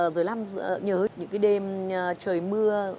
rồi lam nhớ những cái đêm trời mưa